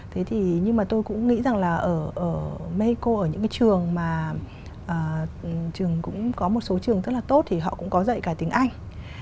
thế thì nhưng mà tôi cũng nghĩ rằng là ở mexico ở những cái trường mà trường cũng có một số trường rất là tốt thì họ cũng có dạy cả tiếng anh